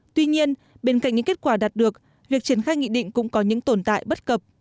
tuy nhiên bên cạnh những kết quả đạt được việc triển khai nghị định cũng có những tồn tại bất cập